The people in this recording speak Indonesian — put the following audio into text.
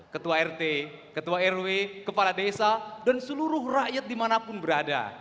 ketua rt ketua rw kepala desa dan seluruh rakyat dimanapun berada